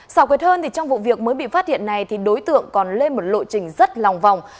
sảo quệt hơn trong vụ việc mới bị phát hiện này đối tượng còn lên một lộ trình rất lòng vòng